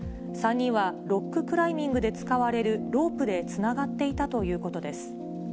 ３人は、ロッククライミングで使われるロープでつながっていたということです。